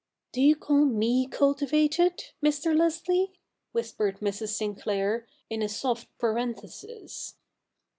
' Do you call ??ie cultivated, Mr. Leslie ?' whispered Mrs. Sinclair, in a soft parenthesis.